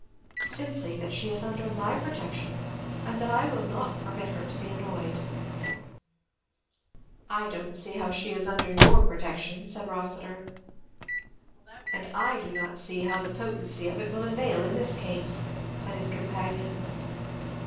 "Simply that she is under my protection and that I will not permit her to be annoyed." "I don't see how she is under your protection," said Rossitur. "And I do not see how the potency of it will avail in this case,' said his companion.